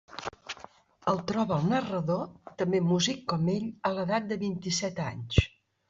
El troba el narrador, també músic com ell, a l'edat de vint-i-set anys.